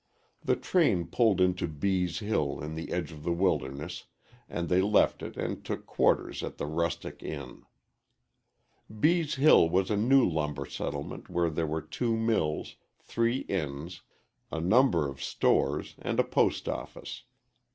The train pulled into Bees' Hill in the edge of the wilderness, and they left it and took quarters at the Rustic Inn. Bees' Hill was a new lumber settlement where there were two mills, three inns, a number of stores, and a post office.